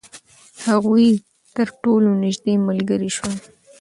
هغوی تر ټولو نژدې ملګري شول.